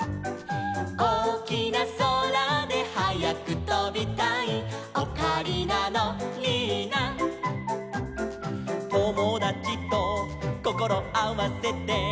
「おおきなそらではやくとびたい」「オカリナのリーナ」「ともだちとこころあわせて」